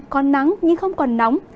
còn nắng nhưng không còn nóng